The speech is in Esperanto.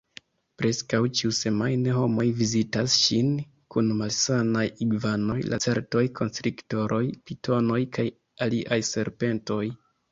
Preskaŭ ĉiusemajne homoj vizitas ŝin kun malsanaj igvanoj, lacertoj, konstriktoroj, pitonoj kaj aliaj serpentoj.